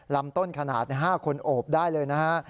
ลำต้นขนาด๕คนโอบได้เลยนะฮะ